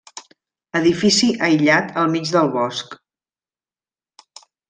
Edifici aïllat al mig del bosc.